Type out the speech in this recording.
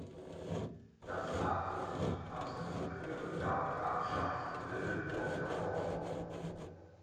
Das Amt ging aus der früheren Gaugrafschaft Löwenburg hervor.